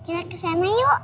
kita kesana yuk